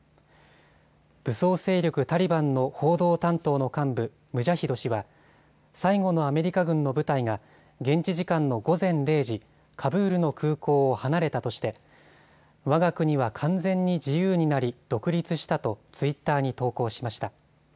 武装勢力タリバンの報道担当の幹部、ムジャヒド氏は最後のアメリカ軍の部隊が現地時間の午前０時、カブールの空港を離れたとしてわが国は完全に自由になり独立したとツイッターに投稿しました。